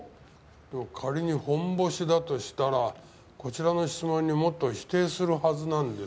仮にホンボシだとしたらこちらの質問にもっと否定するはずなんですよね。